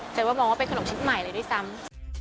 ว่ามองว่าเป็นขนมชุดใหม่เลยด้วยซ้ำ